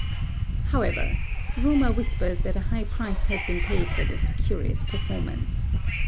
However, rumour whispers that a high price has been paid for this curious performance.